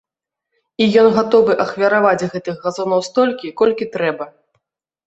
І ён гатовы ахвяраваць гэтых газонаў столькі, колькі трэба.